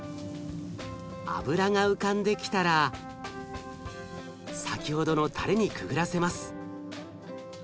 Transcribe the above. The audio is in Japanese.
脂が浮かんできたら先ほどのたれにくぐらせます。